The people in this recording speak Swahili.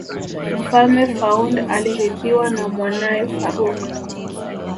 mfalme faund alirithiwa na mwanae farouk